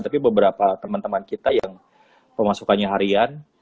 tapi beberapa teman teman kita yang pemasukannya harian